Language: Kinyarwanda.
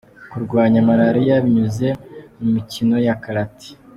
Kurwanya Malariya binyuze mu mikino ya Karate